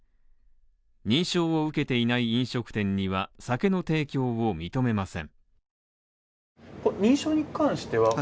認証を受けていない飲食店には酒の提供を認めません。